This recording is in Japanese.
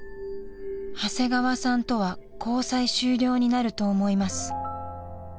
［「長谷川さんとは交際終了になると思います」］